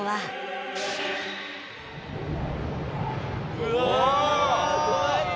「うわ怖いよ！」